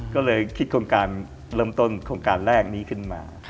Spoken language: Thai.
ก็เลยคิดโครงการเริ่มต้นโครงการแรกนี้ขึ้นมา